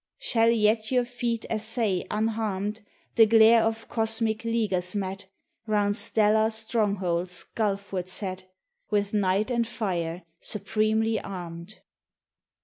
Shall yet your feet essay, unharmed, The glare of cosmic leaguers met Round stellar strongholds gulfward set, With night and fire supremely armed?